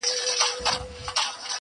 چي زما په لورې بيا د دې نجلۍ قدم راغی~